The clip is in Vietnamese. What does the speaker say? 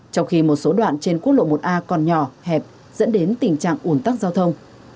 trong khi một số đoạn trên quốc lộ một a còn nhỏ hẹp dẫn đến tình trạng ủn tắc giao thông